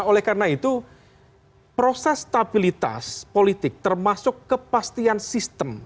oleh karena itu proses stabilitas politik termasuk kepastian sistem